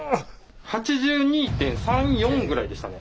８２．３８２．４ぐらいでしたね。